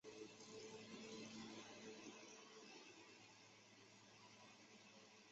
古托尔弗尔代。